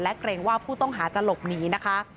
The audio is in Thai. เกรงว่าผู้ต้องหาจะหลบหนีนะคะ